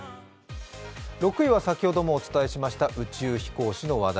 ６位は先ほどもお伝えしました宇宙飛行士の話題。